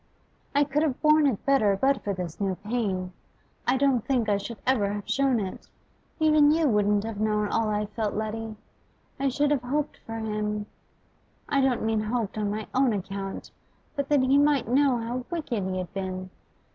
'I could have borne it better but for this new pain. I don't think I should ever have shown it; even you wouldn't have known all I felt, Letty. I should have hoped for him I don't mean hoped on my own account, but that he might know how wicked he had been.